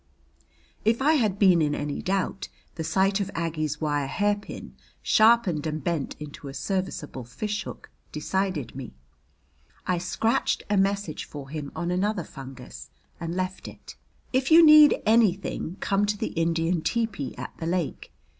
If I had been in any doubt, the sight of Aggie's wire hairpin, sharpened and bent into a serviceable fishhook, decided me. I scratched a message for him on another fungus and left it: If you need anything come to the Indian tepee at the lake.